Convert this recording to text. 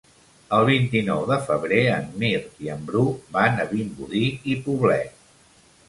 El vint-i-nou de febrer en Mirt i en Bru van a Vimbodí i Poblet.